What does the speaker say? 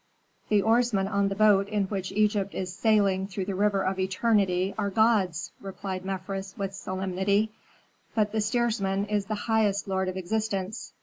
"The oarsmen on the boat in which Egypt is sailing through the river of eternity are gods," replied Mefres, with solemnity; "but the steersman is the Highest Lord of existence.